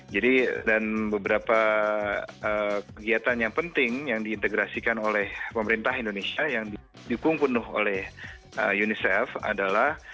jadi dan beberapa kegiatan yang penting yang diintegrasikan oleh pemerintah indonesia yang dihukum penuh oleh unicef adalah